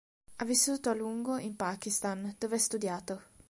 Ha vissuto, a lungo, in Pakistan, dove ha studiato.